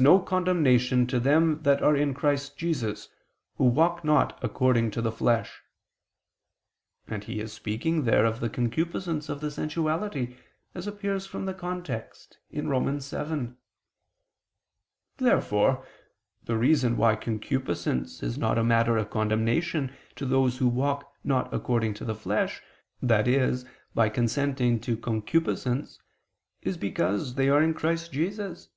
no condemnation to them that are in Christ Jesus, who walk not according to the flesh": and he is speaking there of the concupiscence of the sensuality, as appears from the context (Rom. 7). Therefore the reason why concupiscence is not a matter of condemnation to those who walk not according to the flesh, i.e. by consenting to concupiscence, is because they are in Christ Jesus.